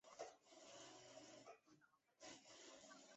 附近的大都市有考文垂和伯明翰。